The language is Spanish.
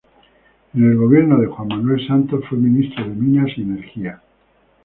En el gobierno de Juan Manuel Santos fue ministro de Minas y Energía.